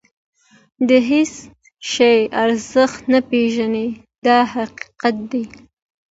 د هېڅ شي ارزښت نه پېژني دا حقیقت دی.